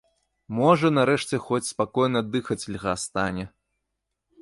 Можа нарэшце хоць спакойна дыхаць льга стане!